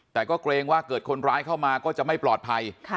แต่ก็เกรงว่าเกิดคนร้ายเข้ามาก็จะไม่ปลอดภัย